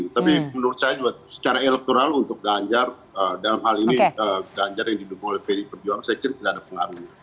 tapi menurut saya juga secara elektoral untuk ganjar dalam hal ini ganjar yang didukung oleh pdi perjuangan saya kira tidak ada pengaruhnya